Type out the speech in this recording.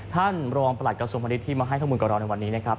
ท่านรองประหลัดกระทรวงพาณิชยที่มาให้ข้อมูลกับเราในวันนี้นะครับ